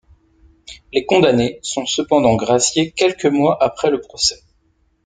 Les condamnés sont cependant graciés quelques mois après le procès.